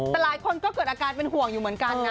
แต่หลายคนก็เกิดอาการเป็นห่วงอยู่เหมือนกันนะ